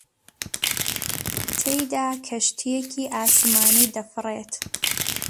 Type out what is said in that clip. تێیدا کەشتییەکی ئاسمانی دەفڕێت